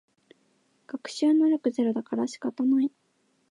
学習能力ゼロだから仕方ない